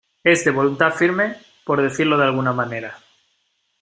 es de voluntad firme. por decirlo de alguna manera .